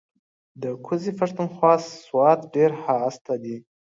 ده کوزی پښتونخوا سوات ډیر هائسته دې